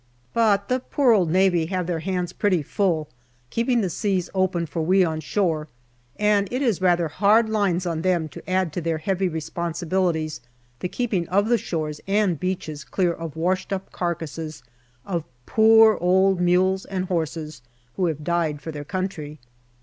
But the poor old Navy have their hands pretty full, keeping the seas open for we on shore, and it is rather hard lines on them to add to their heavy responsibilities the keeping of the shores and beaches clear of washed up carcasses of poor old mules and horses who have died for their country.